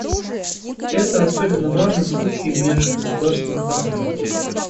Это особенно важно в случае межгосударственных конфликтов.